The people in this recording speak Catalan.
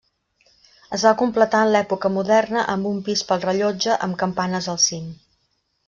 Es va completar en època moderna amb un pis pel rellotge amb campanes al cim.